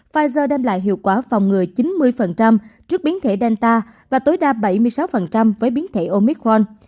pfizer đem lại hiệu quả phòng ngừa chín mươi trước biến thể danta và tối đa bảy mươi sáu với biến thể omicron